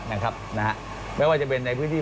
นะครับนะฮะไม่ว่าจะเป็นในพื้นที่